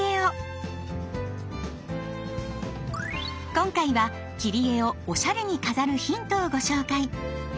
今回は切り絵をおしゃれに飾るヒントをご紹介。